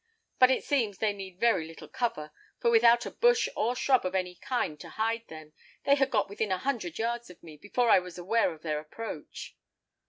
But it seems they need very little cover, for without a bush or shrub of any kind to hide them, they had got within a hundred yards of me, before I was aware of their approach."